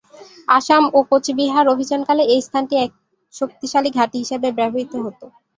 আসাম ও কোচ বিহার অভিযান কালে এ স্থানটি এক শক্তিশালী ঘাঁটি হিসেবে ব্যবহৃত হতো।